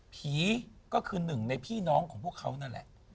ผีก็คือหนึ่งในพี่น้องของพวกเขานั่นแหละ